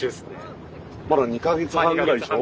まだ２か月半くらいでしょ？